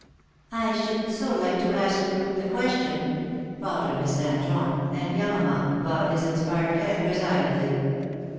"I should so like to ask you a question," faltered Miss Van Tromp, and Yamama bowed his inspired head, resignedly.